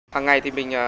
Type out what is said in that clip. hằng ngày thì mình